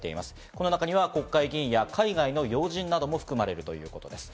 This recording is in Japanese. この中には国会議員や海外の要人なども含まれています。